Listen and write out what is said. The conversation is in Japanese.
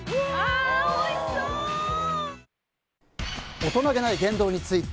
大人げない言動について。